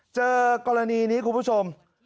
เจอกรณีนี้คุณผู้ชม